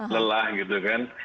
lelah gitu kan